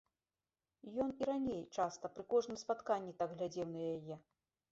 Ён і раней, часта, пры кожным спатканні так глядзеў на яе.